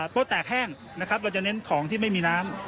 โต๊ะแตกแห้งนะครับเราจะเน้นของที่ไม่มีน้ำ